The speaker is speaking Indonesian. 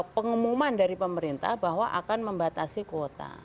lagi kan pengumuman dari pemerintah bahwa akan membatasi kuota